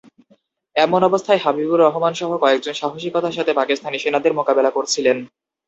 এমন অবস্থায় হাবিবুর রহমানসহ কয়েকজন সাহসিকতার সঙ্গে পাকিস্তানি সেনাদের মোকাবিলা করছিলেন।